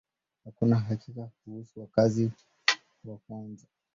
Hakuna hakika kuhusu wakazi wa kwanza.